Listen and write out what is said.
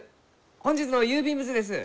本日の郵便物です。